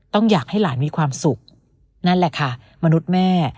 อยากให้หลานมีความสุขนั่นแหละค่ะมนุษย์แม่